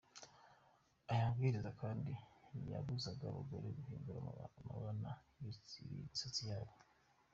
Aya mabwiriza kandi yabuzaga abagore guhindura amabara y’imisatsi yabo.